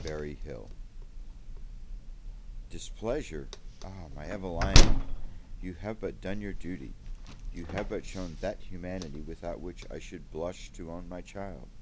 Berry Hill. DISPLEASURE? my Evelina! you have but done your duty; you have but shown that humanity without which I should blush to own my child.